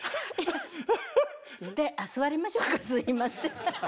であっ座りましょうかすいません。